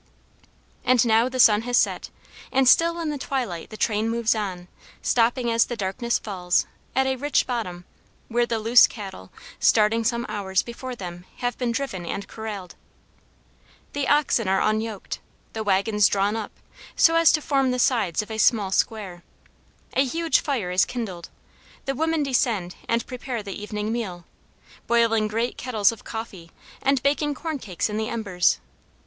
And now the sun has set, and still in the twilight the train moves on, stopping as the darkness falls, at a rich bottom, where the loose cattle, starting some hours before them, have been driven and corralled. The oxen are unyoked, the wagons drawn up, so as to form the sides of a small square. A huge fire is kindled, the women descend and prepare the evening meal, boiling great kettles of coffee, and baking corn cakes in the embers.